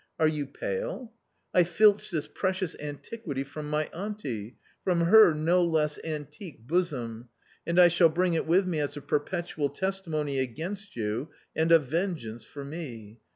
Are you pale ? I filched this precious antiquity from my auntie, from her no less antique bosom, and I shall bring it with me as a perpetual testimony against you and a vengeance for me.